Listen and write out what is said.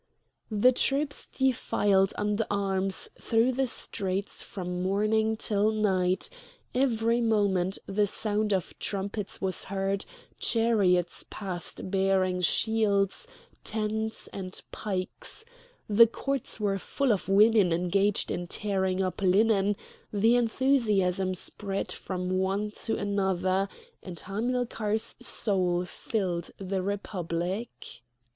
The troops defiled under arms through the streets from morning till night; every moment the sound of trumpets was heard; chariots passed bearing shields, tents, and pikes; the courts were full of women engaged in tearing up linen; the enthusiasm spread from one to another, and Hamilcar's soul filled the Republic.